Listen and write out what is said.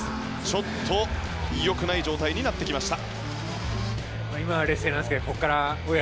ちょっとよくない状態になってきました。